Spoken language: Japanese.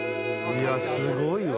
「いやすごいわ！」